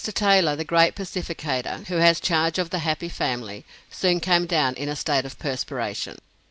Taylor the great pacificator, who has charge of the Happy Family, soon came down in a state of perspiration.